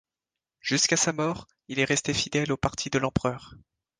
Jusqu'à sa mort, il est resté fidèle au parti de l'empereur.